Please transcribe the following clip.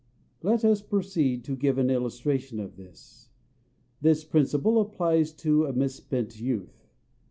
Let us proceed to give an illustration of this. This principle applies to a misspent youth.